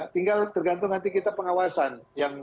tinggal tergantung nanti kita pengawasan